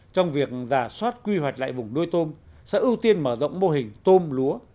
trong việc giả soát quy hoạch lại vùng nuôi tôm sẽ ưu tiên mở rộng mô hình tôm lúa